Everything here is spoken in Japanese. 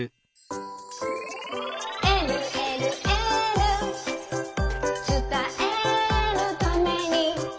「えるえるエール」「つたえるために」